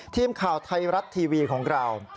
ทีมข่าวไทยรัฐทีวีของเรา